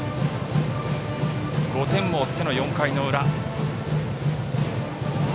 ５点を追っての４回の裏。